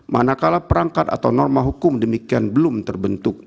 manakala perangkat atau norma hukum demikian belum terbentuk